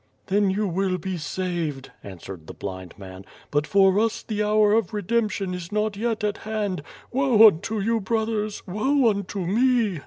"Then you will be saved,'' answered the blind man, "but for us the hour of redemption is not yet at hand. Woe unto you, brothers, woe unto me!"